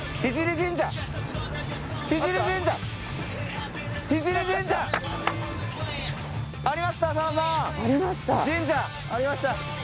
神社ありました！